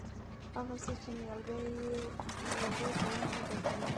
هغسې چې نیالګی په ونې بدلېږي.